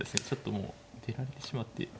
ちょっともう出られてしまって。